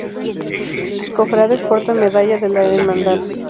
Sus cofrades portan medalla de la Hermandad.